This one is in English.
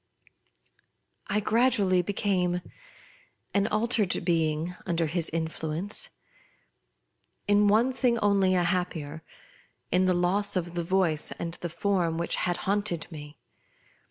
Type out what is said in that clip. I gradually became an altered being under his influence. In one thing only a happier — in the loss of tfie Voice and the Form which had haunted me.